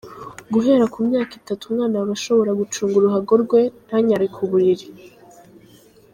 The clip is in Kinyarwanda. Guhera ku myaka itatu umwana aba ashobora gucunga uruhago rwe, ntanyare ku buriri.